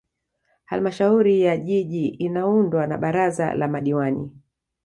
Halmashauri ya Jiji inaundwa na Baraza la Madiwani